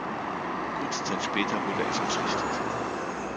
Kurze Zeit später wurde er verpflichtet.